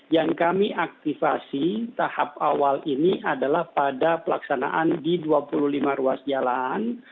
yang kami aktifasi tahap awal ini adalah pada pelaksanaan di dua puluh lima ruas jalan